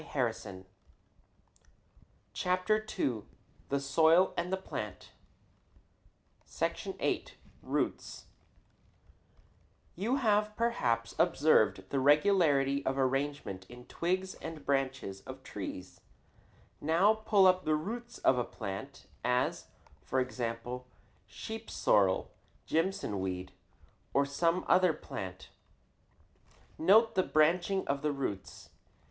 ROOT HAIRS ON A RADISH] You have perhaps observed the regularity of arrangement in the twigs and branches of trees. Now pull up the roots of a plant, as, for example, sheep sorrel, Jimson weed, or some other plant. Note the branching of the roots.